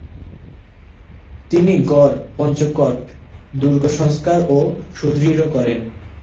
তিনি গড় পঞ্চকোট দুর্গ সংস্কার ও সুদৃঢ় করেন।